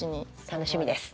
楽しみです。